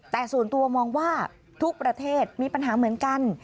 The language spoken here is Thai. แต่ส่วนตัวมองว่าทุกประเทศมีปัญหาเหมือนกัน